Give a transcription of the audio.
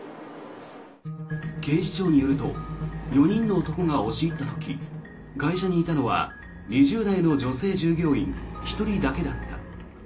警視庁によると４人の男が押し入った時会社にいたのは２０代の女性従業員１人だけだった。